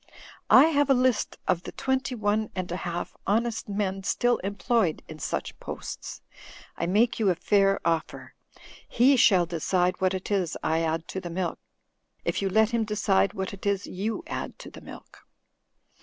I have a list of the twenty one and a half honest men still employed in such posts. I make you a fair offer. He shall decide what it is I add to the milk, if you let him decide what it is you add to the milk.